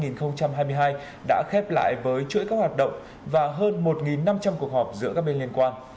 năm hai nghìn hai mươi hai đã khép lại với chuỗi các hoạt động và hơn một năm trăm linh cuộc họp giữa các bên liên quan